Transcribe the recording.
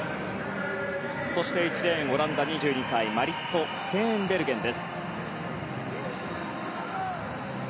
そして１レーン、オランダ２２歳マリット・ステーンベルゲン。